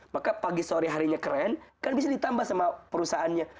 maka pagi sore harinya keren kan bisa ditambah sama perusahaannya